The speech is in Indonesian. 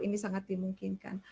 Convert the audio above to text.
ini sangat dimungkinkan